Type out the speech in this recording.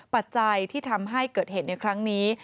ปัจจัยที่ทำให้เกิดเหตุในครั้งนี้